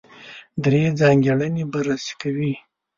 درې ځانګړنې بررسي کوي.